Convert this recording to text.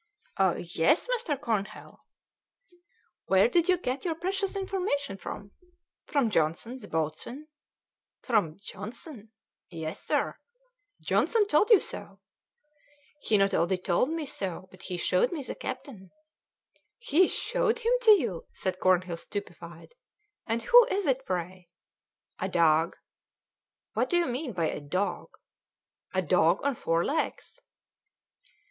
"Yes, Mr. Cornhill." "Where did you get your precious information from?" "From Johnson, the boatswain." "From Johnson?" "Yes, sir." "Johnson told you so?" "He not only told me so, but he showed me the captain." "He showed him to you!" said Cornhill, stupefied. "And who is it, pray?" "A dog." "What do you mean by a dog?" "A dog on four legs."